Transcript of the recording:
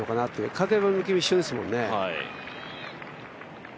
風向きは一緒ですもんね。